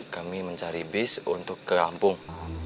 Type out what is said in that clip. kami mencari bis untuk ke kampung